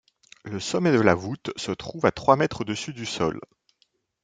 Le sommet de la voûte se trouve à trois mètres au-dessus du sol.